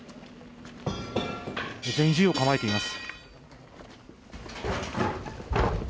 全員銃を構えています。